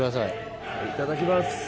いただきます。